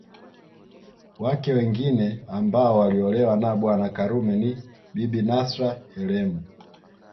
Wake wengine ambao waliolewa na Bwana Karume ni Bibi Nasra Helemu